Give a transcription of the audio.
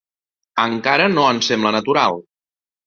Encara no ens sembla natural